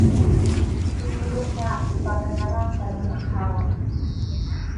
Chukuruqa pakallamanta runata qhawan.